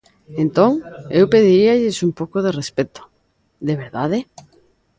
Entón, eu pediríalles un pouco de respecto, de verdade.